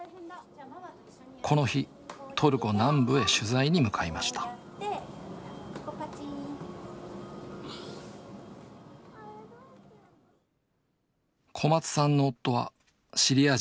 この日トルコ南部へ取材に向かいました小松さんの夫はシリア人のラドワンさん。